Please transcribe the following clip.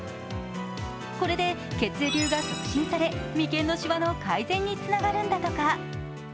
これで、血流が促進され眉間のしわの改善につながるんだとか。